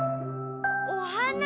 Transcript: おはな？